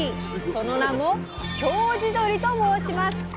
その名も「京地どり」と申します。